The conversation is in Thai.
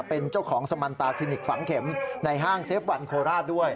เป็นเจ้าของสมันตาคลินิกฝังเข็มในห้างเซฟวันโคราชด้วย